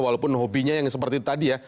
walaupun hobinya yang seperti tadi ya